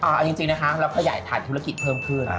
เอาจริงนะคะเราขยายฐานธุรกิจเพิ่มขึ้น